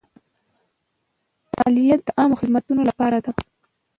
مالیه د عامه خدمتونو لپاره ده.